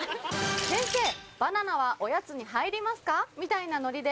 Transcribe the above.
「『先生バナナはおやつに入りますか？』みたいなノリで」。